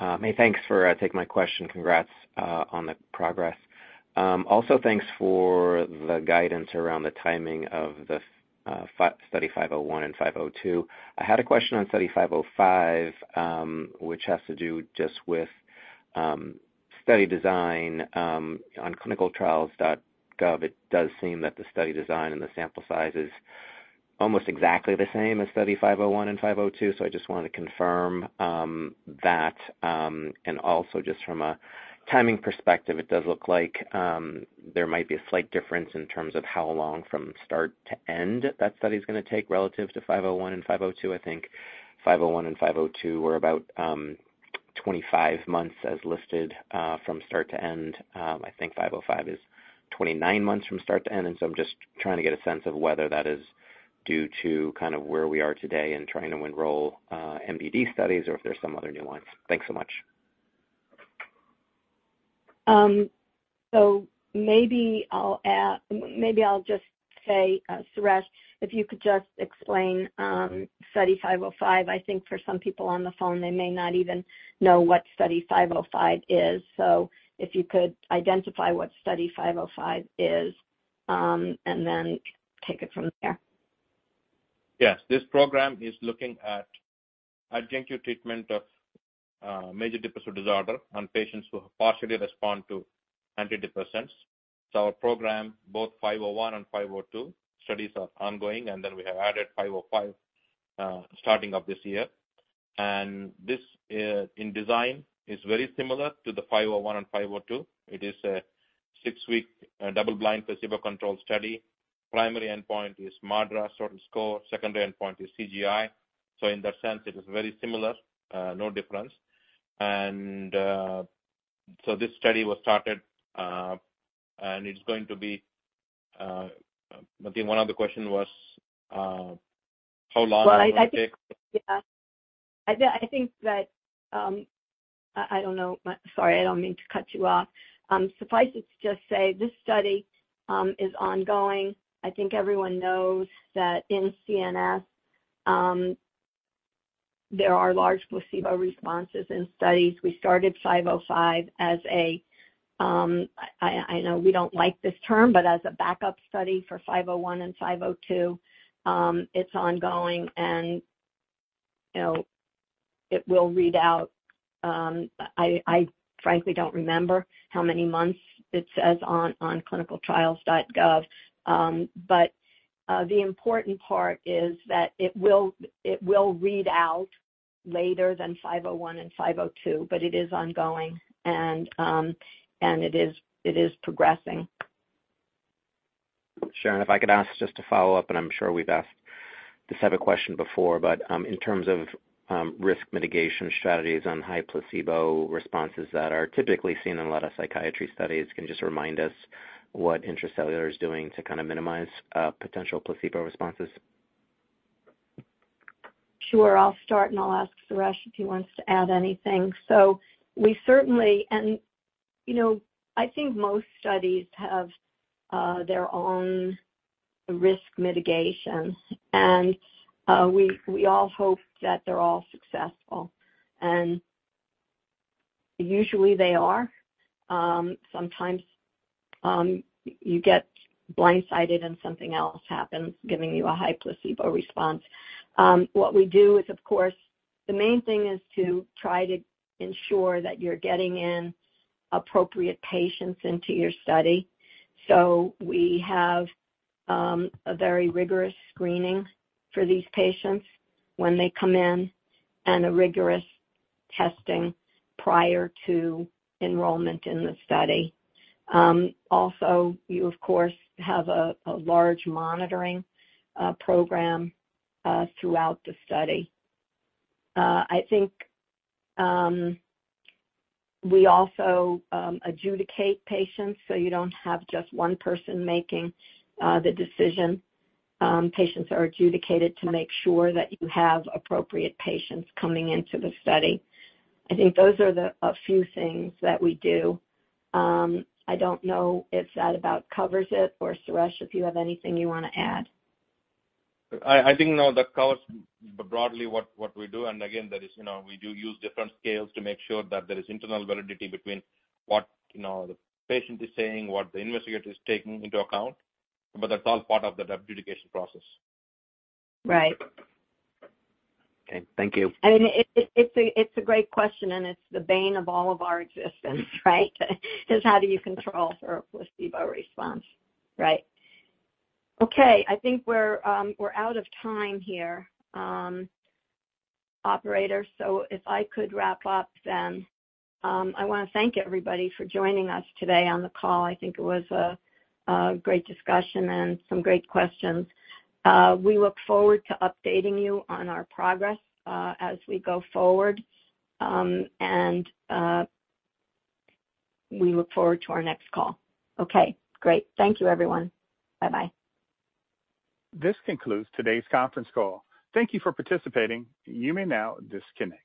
Many thanks for taking my question. Congrats on the progress. Also, thanks for the guidance around the timing of the Study 501 and 502. I had a question on Study 505, which has to do just with study design. On ClinicalTrials.gov, it does seem that the study design and the sample size is almost exactly the same as Study 501 and 502, so I just wanted to confirm that. Also, just from a timing perspective, it does look like there might be a slight difference in terms of how long from start to end that study is gonna take relative to 501 and 502. I think Study 501 and Study 502 were about 25 months as listed from start to end. I think Study 505 is 29 months from start to end, so I'm just trying to get a sense of whether that is due to kind of where we are today in trying to enroll MDD studies or if there's some other nuance. Thanks so much. Maybe I'll maybe I'll just say, Suresh, if you could just explain, Study 505. I think for some people on the phone, they may not even know what Study 505 is. If you could identify what Study 505 is, and then take it from there. Yes. This program is looking at adjunctive treatment of major depressive disorder on patients who have partially respond to antidepressants. Our program, both Study 501 and Study 502, studies are ongoing, and then we have added Study 505 starting of this year. This in design, is very similar to the Study 501 and Study 502. It is a six-week, double-blind, placebo-controlled study. Primary endpoint is MADRS total score, secondary endpoint is CGI. In that sense, it is very similar, no difference. This study was started, and it's going to be... I think 1 other question was, how long is it going to take? Well, I, I think, yeah. I think, I think that, I, I don't know. Sorry, I don't mean to cut you off. Suffice it to just say this study is ongoing. I think everyone knows that in CNS, there are large placebo responses in studies. We started 505 as a, I, I know we don't like this term, but as a backup study for 501 and 502. It's ongoing. You know, it will read out, I, I frankly don't remember how many months it says on Clinicaltrials.gov. The important part is that it will, it will read out later than 501 and 502, but it is ongoing, and it is, it is progressing. Sharon, if I could ask just to follow up, and I'm sure we've asked this type of question before, but, in terms of, risk mitigation strategies on high placebo responses that are typically seen in a lot of psychiatry studies, can you just remind us what Intra-Cellular is doing to kind of minimize, potential placebo responses? Sure. I'll start, and I'll ask Suresh if he wants to add anything. We certainly, you know, I think most studies have their own risk mitigation, we all hope that they're all successful. Usually, they are. Sometimes, you get blindsided, and something else happens, giving you a high placebo response. What we do is, of course, the main thing is to try to ensure that you're getting in appropriate patients into your study. We have a very rigorous screening for these patients when they come in and a rigorous testing prior to enrollment in the study. Also, you, of course, have a large monitoring program throughout the study. I think we also adjudicate patients, so you don't have just one person making the decision. Patients are adjudicated to make sure that you have appropriate patients coming into the study. I think those are a few things that we do. I don't know if that about covers it, or, Suresh, if you have anything you want to add. I think, no, that covers broadly what, what we do. Again, that is, you know, we do use different scales to make sure that there is internal validity between what, you know, the patient is saying, what the investigator is taking into account, but that's all part of that adjudication process. Right. Okay. Thank you. It- it's a, it's a great question, and it's the bane of all of our existence, right? Is how do you control for a placebo response, right? Okay, I think we're, we're out of time here, operator. If I could wrap up then. I want to thank everybody for joining us today on the call. I think it was a, a great discussion and some great questions. We look forward to updating you on our progress as we go forward. We look forward to our next call. Okay, great. Thank you, everyone. Bye-bye. This concludes today's conference call. Thank you for participating. You may now disconnect.